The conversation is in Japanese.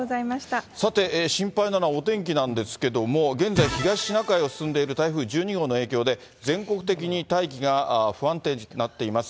さて、心配なのはお天気なんですけども、現在東シナ海を進んでいる台風１２号の影響で、全国的に大気が不安定になっています。